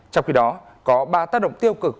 trong khi đó có ba tác động tiêu cực